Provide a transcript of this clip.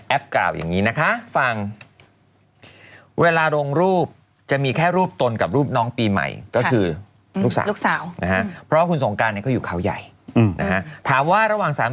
แอฟกล่าวอย่างนี้นะคะฟังเวลาลงรูปจะมีแค่รูปตนกับรูปน้องปีใหม่ก็คือลูกสาว